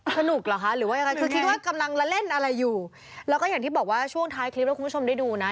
เหรอคะหรือว่ายังไงคือคิดว่ากำลังละเล่นอะไรอยู่แล้วก็อย่างที่บอกว่าช่วงท้ายคลิปแล้วคุณผู้ชมได้ดูนะ